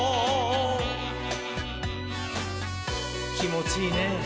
きもちいいねぇ。